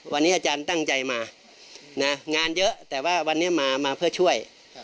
วันนี้อาจารย์ตั้งใจมางานเยอะแต่ว่าวันนี้มาเพื่อช่วย